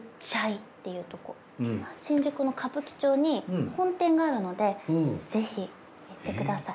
新宿の歌舞伎町に本店があるのでぜひ行ってください。